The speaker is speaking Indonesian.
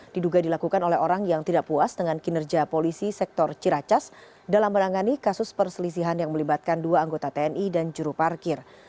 diduga dilakukan oleh orang yang tidak puas dengan kinerja polisi sektor ciracas dalam menangani kasus perselisihan yang melibatkan dua anggota tni dan juru parkir